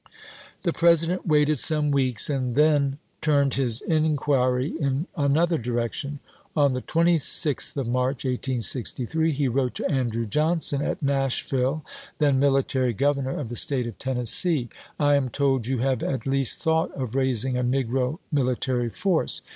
la^' ms. The President waited some weeks, and then turned his inquiry in another direction. On the 26th of March, 1863, he wrote to Andrew Johnson, at Nashville, then military governor of the State of Tennessee :" I am told you have at least thought of raising a negro military force.